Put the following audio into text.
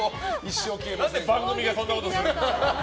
何で、番組がそんなことするんだよ。